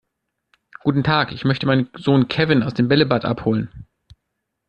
Guten Tag, ich möchte meinen Sohn Kevin aus dem Bällebad abholen.